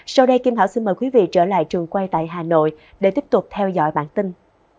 sau đây kim thảo xin mời quý vị trở lại trường quay tại hà nội để tiếp tục theo dõi bản tin